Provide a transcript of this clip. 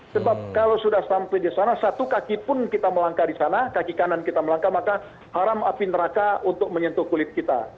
sebab kalau sudah sampai di sana satu kaki pun kita melangkah di sana kaki kanan kita melangkah maka haram api neraka untuk menyentuh kulit kita